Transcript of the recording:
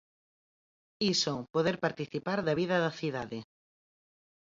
Iso, poder participar da vida da cidade.